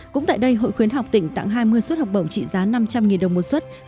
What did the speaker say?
cũng tại đây hội khuyến học tỉnh tặng hai mươi suất học bổng trị giá năm trăm linh đồng một xuất